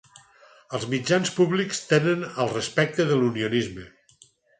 Els mitjans públics tenen el respecte de l'unionisme